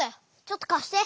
ちょっとかして！